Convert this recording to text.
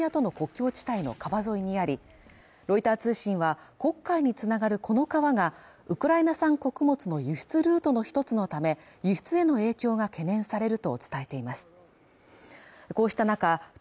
レニ港はＮＡＴＯ＝北大西洋条約機構の加盟国・ルーマニアとの国境地帯の川沿いにありロイター通信は黒海につながるこの川がウクライナ産穀物の輸出ルートの一つのため輸出への影響が懸念されると伝えています